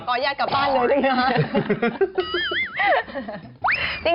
ก่อยยัดกลับบ้านเลยนะครับ